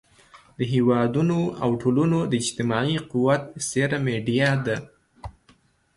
د هېوادونو او ټولنو د اجتماعي قوت څېره میډیا ده.